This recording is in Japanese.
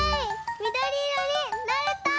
みどりいろになれた！